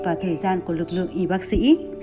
và thời gian của lực lượng y bác sĩ